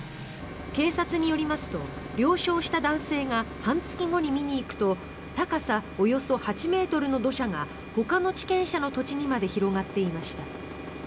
警察によりますと了承した男性が半月後に見に行くと高さおよそ８ｍの土砂がほかの地権者の土地にまで広がっていました。